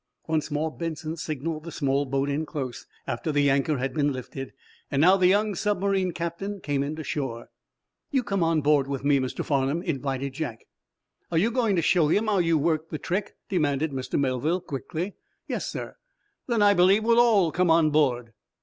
Once more Benson signaled the small boat in close, after the anchor had been lifted. Now, the young submarine captain came in to shore. "You come on board with me, Mr. Farnum?" invited Jack. "Are you going to show him how you worked the trick?" demanded Mr. Melville, quickly. "Yes, sir." "Then I believe we'll all come on board."